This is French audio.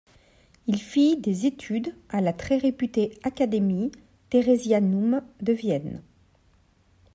Il fit des études à la très réputée Académie Theresianum de Vienne.